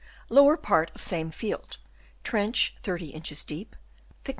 Lower part of same field, trench 30 inches deep 15 11.